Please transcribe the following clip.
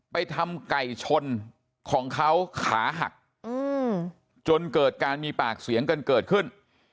ไปทำไก่ชนของเขาขาหักจนเกิดการมีปากเสียงกันเกิดขึ้น